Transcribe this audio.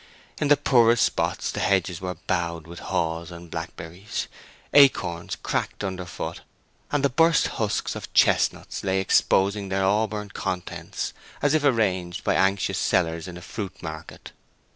In the poorest spots the hedges were bowed with haws and blackberries; acorns cracked underfoot, and the burst husks of chestnuts lay exposing their auburn contents as if arranged by anxious sellers in a fruit market.